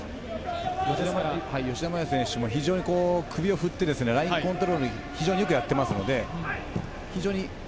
吉田麻也選手も首を振ってラインコントロールをよくやっています。